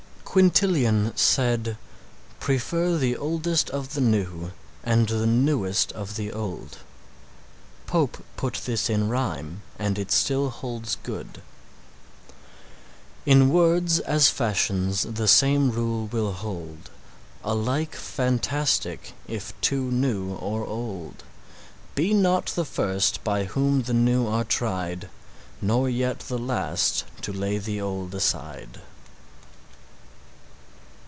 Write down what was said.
Quintilian said "Prefer the oldest of the new and the newest of the old." Pope put this in rhyme and it still holds good: In words, as fashions, the same rule will hold, Alike fantastic, if too new or old: Be not the first by whom the new are tried, Nor yet the last to lay the old aside.